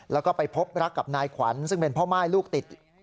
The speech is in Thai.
แล้วก็ไปพบรักกับนายขวัญซึ่งเป็นพ่อม่ายลูกติด